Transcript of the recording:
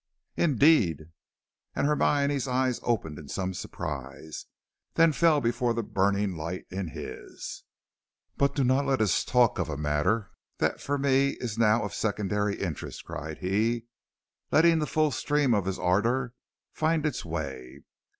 "Indeed!" and Hermione's eyes opened in some surprise, then fell before the burning light in his. "But do not let us talk of a matter that for me is now of secondary interest," cried he, letting the full stream of his ardor find its way.